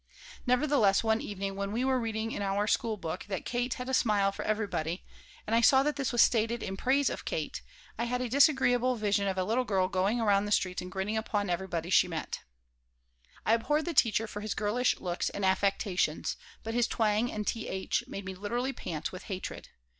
Nevertheless, one evening, when we were reading in our school book that "Kate had a smile for everybody," and I saw that this was stated in praise of Kate, I had a disagreeable vision of a little girl going around the streets and grinning upon everybody she met I abhorred the teacher for his girlish looks and affectations, but his twang and "th" made me literally pant with hatred.